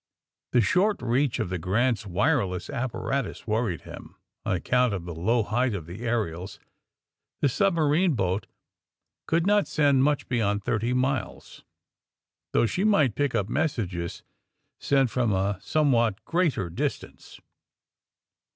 The short reach of the '' Grant 's '' wire less apparatus worried him. On account of the low height of the aerials the submarine boat could not send much beyond thirty miles, though she might pick up messages sent from a some what greater distance.